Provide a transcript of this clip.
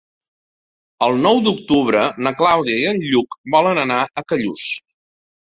El nou d'octubre na Clàudia i en Lluc volen anar a Callús.